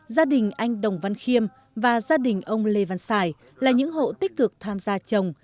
gia đình anh đồng văn khiêm và gia đình ông lê văn sải là những hộ tích cực tham gia trồng